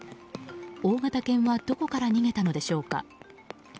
大型犬はどこから逃げたのでしょうか。